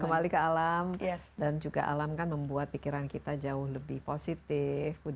kembali ke alam dan juga alam kan membuat pikiran kita jauh lebih positif